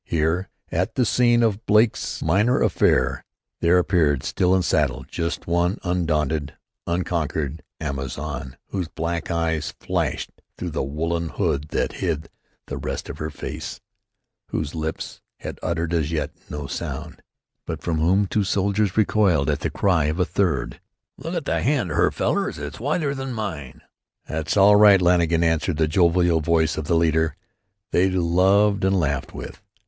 Here at the scene of Blake's minor affair there appeared still in saddle just one undaunted, unconquered amazon whose black eyes flashed through the woolen hood that hid the rest of her face, whose lips had uttered as yet no sound, but from whom two soldiers recoiled at the cry of a third. "Look at the hand of her, fellers! It's whiter than mine!" "That's all right, Lanigan," answered the jovial voice of the leader they loved and laughed with.